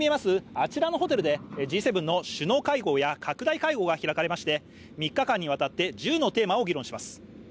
あちらのホテルでＧ７の首脳会合や拡大会合が開かれまして、３日間にわたって１０のテーマを議論します。